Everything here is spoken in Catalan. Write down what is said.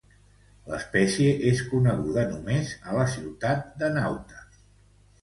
L'espècie és coneguda només a la ciutat de Nauta.